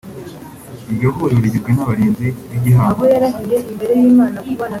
Iryo huriro rigizwe n’abarinzi b’igihango